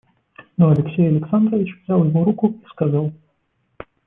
Но Алексей Александрович взял его руку и сказал.